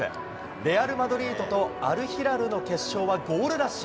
レアル・マドリードとアルヒラルの決勝は、ゴールラッシュ。